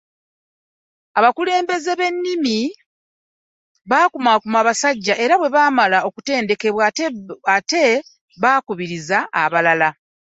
Abakulembeze b’ennono bakumaakuma abasajja era bwe bamala okutendekebwa ate be bakubiriza abalala.